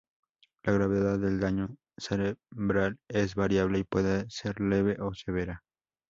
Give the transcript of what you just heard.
La gravedad del daño cerebral es variable y puede ser leve o severa.